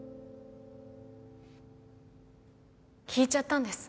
聞いちゃったんです